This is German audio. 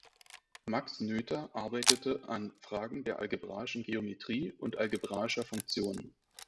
Max Noether arbeitete an Fragen der algebraischen Geometrie und algebraischer Funktionen.